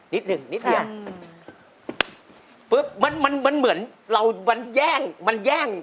นิดนึงนิดเดียวมันเหมือนมันแย่งมันแย่ง